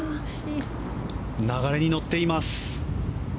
流れに乗っています。